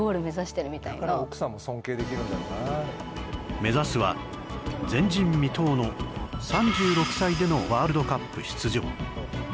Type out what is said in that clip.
目指すは、前人未到の３６歳でのワールドカップ出場。